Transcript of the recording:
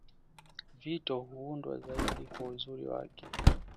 Vito huundwa zaidi kwa uzuri wake